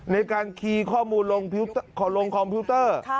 ในการคีย์ข้อมูลลงคอมพิวเตอร์